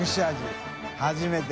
渓初めて。